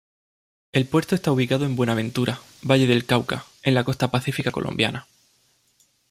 El puerto esta ubicado en Buenaventura, Valle del Cauca, en la costa pacífica colombiana.